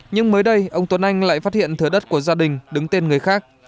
nhưng mới đây ông tuấn anh lại phát hiện thửa đất của gia đình đứng tên người khác